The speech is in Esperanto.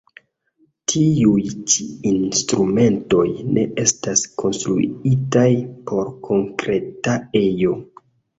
Tiuj ĉi instrumentoj ne estas konstruitaj por konkreta ejo.